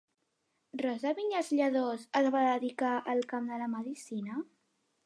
Rosa Viñals Lladós es va dedicar al camp de la medicina?